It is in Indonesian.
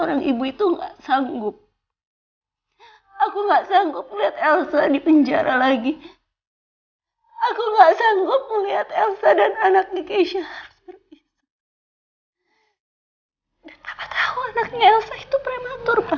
dan papa tahu anaknya elsa itu prematur pak